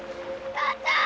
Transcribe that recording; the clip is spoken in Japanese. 母ちゃん！